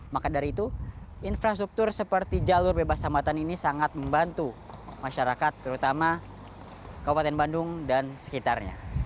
maka dari itu infrastruktur seperti jalur bebas hambatan ini sangat membantu masyarakat terutama kabupaten bandung dan sekitarnya